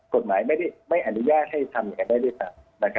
กฎหมายไม่อนุญาตให้ทำอย่างนั้นได้ด้วยซ้ำ